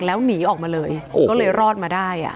แล้วหนีออกมาเลยก็เลยรอดมาได้